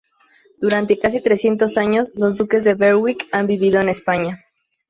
Durante casi trescientos años los duques de Berwick han vivido en España.